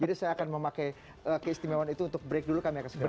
jadi saya akan memakai keistimewaan itu untuk break dulu kami akan segera